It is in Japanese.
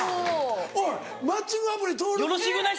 おいマッチングアプリ登録。